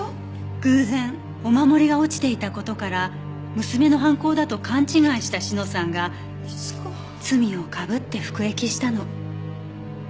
偶然お守りが落ちていた事から娘の犯行だと勘違いした志乃さんが罪を被って服役したの。